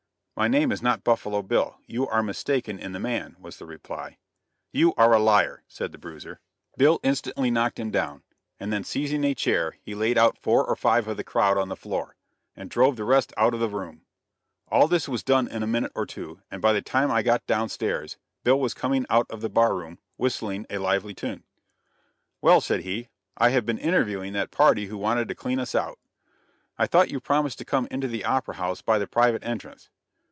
"My name is not Buffalo Bill; you are mistaken in the man," was the reply. "You are a liar!" said the bruiser. Bill instantly knocked him down, and then seizing a chair he laid out four or five of the crowd on the floor, and drove the rest out of the room. All this was done in a minute or two, and by the time I got down stairs, Bill was coming out of the bar room, whistling a lively tune. "Well!" said he, "I have been interviewing that party who wanted to clean us out." "I thought you promised to come into the Opera House by the private entrance?"